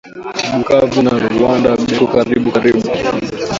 Bukavu na rwanda beko karibu karibu